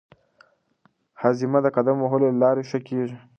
هاضمه د قدم وهلو له لارې ښه کېږي.